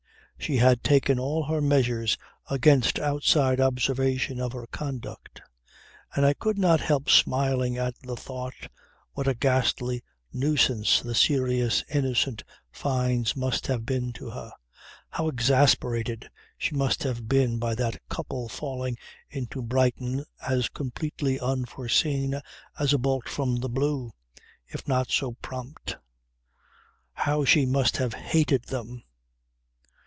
She had taken all her measures against outside observation of her conduct; and I could not help smiling at the thought what a ghastly nuisance the serious, innocent Fynes must have been to her. How exasperated she must have been by that couple falling into Brighton as completely unforeseen as a bolt from the blue if not so prompt. How she must have hated them!